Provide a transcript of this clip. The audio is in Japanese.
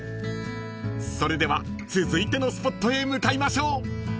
［それでは続いてのスポットへ向かいましょう］